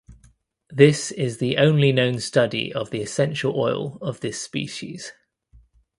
This is the only known study of the essential oil of this species.